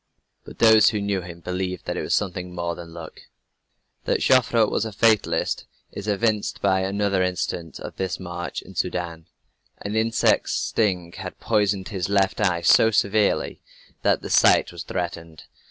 But those who knew him believed that it was something more than luck. That Joffre was a fatalist is evinced by another incident of this march in Soudan. An insect's sting had poisoned his left eye so severely that the sight was threatened.